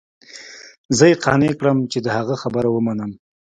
زه يې قانع کړم چې د هغه خبره ومنم.